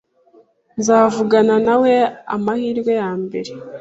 Nzavugana nawe amahirwe yambere